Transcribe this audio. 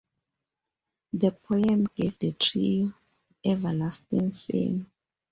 The poem gave the trio "everlasting fame".